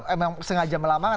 emang sengaja melamang